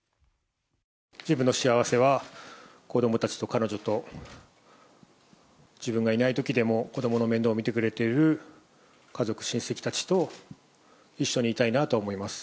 自分の幸せは、子どもたちと彼女と自分がいないときでも子どもの面倒を見てくれている家族、親戚たちと一緒にいたいなと思います。